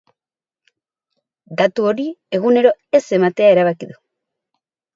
Datu hori egunero ez ematea erabaki du.